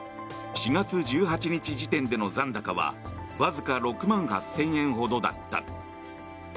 ４月１８日時点での残高はわずか６万８０００円ほどだった。